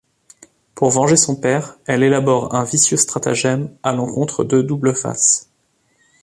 Pour venger son père, elle élabore un vicieux stratagème à l'encontre de Double-Face.